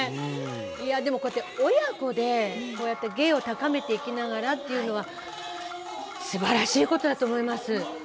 こうやって親子で芸を高めていきながらっていうのは素晴らしいことだと思います。